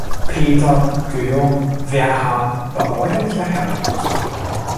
Peter Guilleaume Werhahn war bäuerlicher Herkunft.